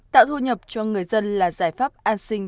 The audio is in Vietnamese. tạo thu nhập cho người dân là giải pháp an sinh